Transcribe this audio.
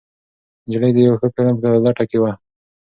نجلۍ د یو ښه فلم په لټه کې وه.